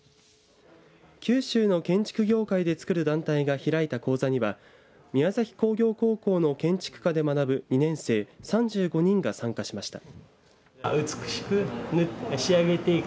九州の建築業界でつくる団体が開いた講座には宮崎工業高校の建築科で学ぶ２年生３５人が参加しました。